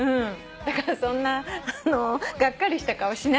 だからそんなあのうがっかりした顔しないで。